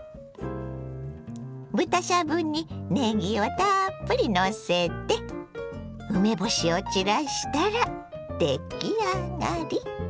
豚しゃぶにねぎをたっぷりのせて梅干しを散らしたら出来上がり！